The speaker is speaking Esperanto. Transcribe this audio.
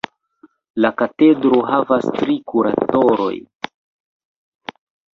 La katedro havas tri kuratorojn.